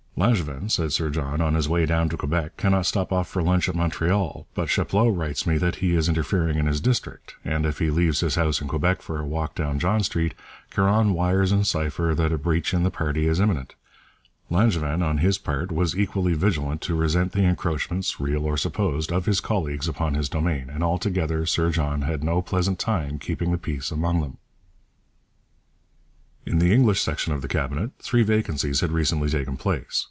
'Langevin,' said Sir John, 'on his way down to Quebec, cannot stop off for lunch at Montreal, but Chapleau writes me that he is interfering in his district, and if he leaves his house in Quebec for a walk down John Street, Caron wires in cypher that a breach in the party is imminent.' Langevin, on his part, was equally vigilant to resent the encroachments, real or supposed, of his colleagues upon his domain, and altogether Sir John had no pleasant time keeping the peace among them. In the English section of the Cabinet three vacancies had recently taken place.